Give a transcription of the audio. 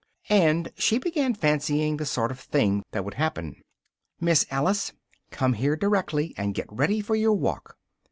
And she began fancying the sort of things that would happen: "Miss Alice! come here directly and get ready for your walk!"